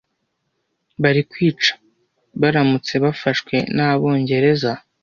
Bari kwicwa baramutse bafashwe nabongereza.